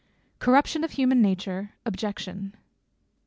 _Corruption of Human Nature. Objection.